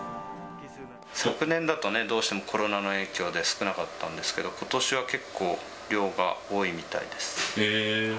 昨年だとね、どうしても、コロナの影響で少なかったんですけど、ことしは結構、量が多いみたいです。